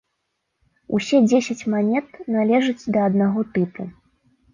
Усе дзесяць манет належаць да аднаго тыпу.